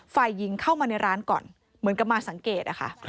ฝ่ายหญิงเข้ามาในร้านก่อนเหมือนกับมาสังเกตนะคะ